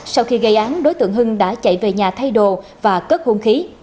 sau khi gây án đối tượng hưng đã chạy về nhà thay đồ và cất hung khí